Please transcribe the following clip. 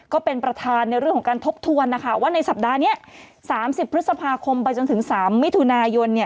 ก็เป็นประธานในเรื่องของการทบทวนนะคะว่าในสัปดาห์นี้๓๐พฤษภาคมไปจนถึง๓มิถุนายน